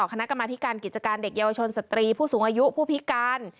คณะกรรมธิการกิจการเด็กเยาวชนสตรีผู้สูงอายุผู้พิการ